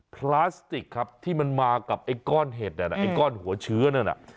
พลาสติกครับที่มันมากับไอ้ก้อนเห็ดไอ้ก้อนหัวเชื้อนั่นน่ะ